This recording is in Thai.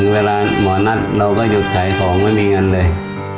เวลาหมอนัดเราก็หยุดขายของไม่มีเงินเลย